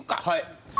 はい。